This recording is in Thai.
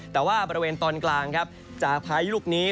แต่ว่าบริเวณตอนกลางครับจากพายุลูกนี้